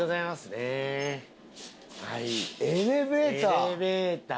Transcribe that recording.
エレベーター？